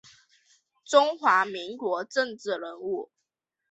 中华民国政治人物。